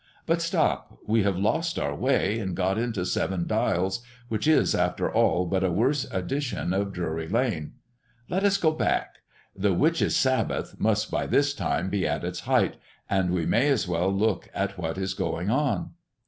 But stop, we have lost our way, and got into Seven Dials, which is, after all, but a worse edition of Drury lane. Let us go back. The 'Witches' Sabbath' must by this time be at its height, and we may as well look at what is going on."